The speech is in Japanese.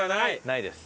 ないです。